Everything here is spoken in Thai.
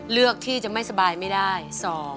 เลือกที่จะไม่สบายไม่ได้